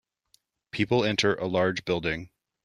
People enter a large building.